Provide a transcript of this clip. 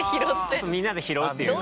そうみんなで拾うっていう。